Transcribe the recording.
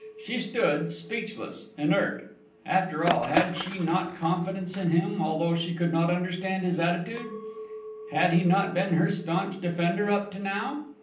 She stood speechless, inert. After all, had she not confidence in him, although she could not understand his attitude! Had he not been her staunch defender up to now?